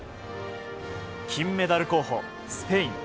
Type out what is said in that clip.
金メダル候補、スペイン。